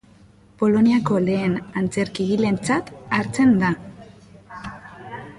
Poloniako lehen antzerkigiletzat hartzen da.